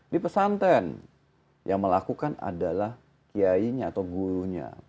di pesantren yang melakukan adalah kiainya atau gurunya